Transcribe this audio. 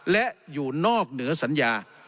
และอยู่นอกเหนือสัญญา